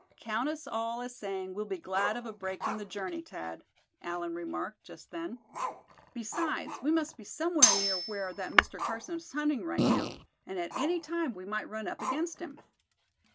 "Count us all as saying we'll be glad of a break in the journey, Thad," Allan remarked, just then. "Besides, we must be somewhere near where that Mr. Carson is hunting, right now; and at any time we might run up against him."